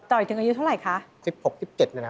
ต่ออีกถึงอายุเท่าไหร่คะ